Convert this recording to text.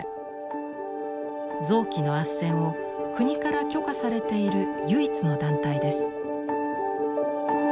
臓器のあっせんを国から許可されている唯一の団体です。